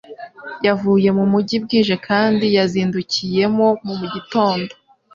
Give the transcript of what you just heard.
Yavuye mu mujyi bwije kandi yazindukiyemo mu gitondo